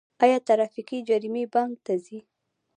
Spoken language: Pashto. آیا ټرافیکي جریمې بانک ته ځي؟